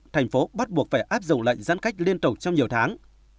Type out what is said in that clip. thành phố bắt buộc phải áp dụng lệnh giãn cách liên tục trong nhiều tháng